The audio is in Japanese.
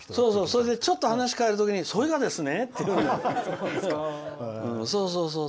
それでちょっと話を変える時にそいがですね！